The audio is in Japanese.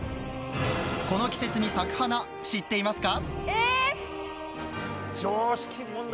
この季節に咲く花知っていますか？